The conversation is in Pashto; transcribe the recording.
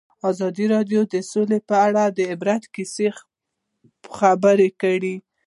ازادي راډیو د سوله په اړه د عبرت کیسې خبر کړي.